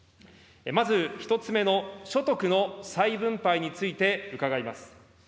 まず１つ目の所得の再分配について伺います。